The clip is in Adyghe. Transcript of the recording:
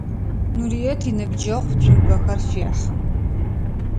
Нурыет иныбджэгъу цумпэхэр фехьы.